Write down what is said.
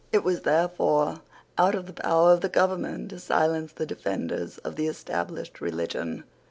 It was therefore out of the power of the government to silence the defenders of the established religion.